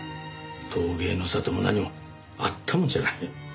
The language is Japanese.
陶芸の里も何もあったもんじゃない。